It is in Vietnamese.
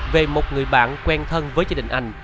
về một người bạn quen thân với gia đình anh